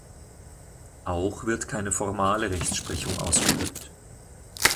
Auch wird keine formale Rechtsprechung ausgeübt.